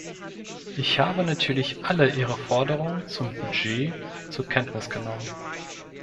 Ich habe natürlich alle Ihre Forderungen zum Budget zur Kenntnis genommen.